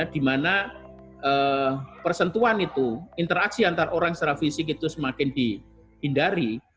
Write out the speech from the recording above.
di mana persentuan itu interaksi antara orang secara fisik itu semakin dihindari